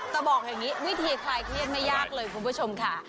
แต่บอกอย่างนี้วิธีคลายเครียดไม่ยากเลยคุณผู้ชมค่ะ